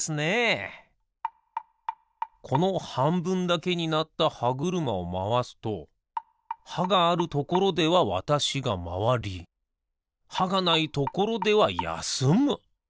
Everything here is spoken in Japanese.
このはんぶんだけになったはぐるまをまわすとはがあるところではわたしがまわりはがないところではやすむ。